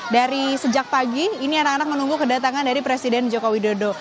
dari sejak pagi ini anak anak menunggu kedatangan dari presiden joko widodo